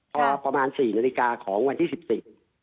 พอประมาณ๔นาฬิกาของวันที่๑๔